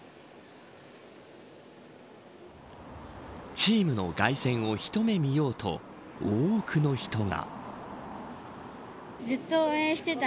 チームの凱旋を一目見ようと多くの人が。